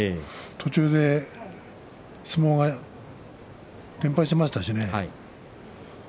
途中で相撲が。連敗しましたしね。